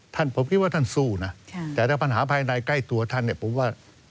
ท่านผมคิดว่าท่านสู้นะแต่ถ้าปัญหาภายในใกล้ตัวท่านเนี่ยผมว่า